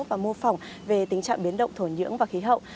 và mô phỏng về tình trạng biến động thổ nhưỡng và khí hậu